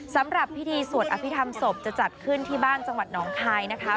สำหรับพิธีสวดอภิษฐรรมศพจะจัดขึ้นที่บ้านจังหวัดหนองคายนะคะ